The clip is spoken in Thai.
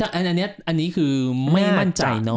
อันนี้คือไม่มั่นใจเนอะ